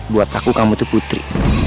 buat aku kamu itu putri